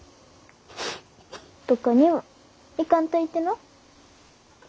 どこにも行かんといてな。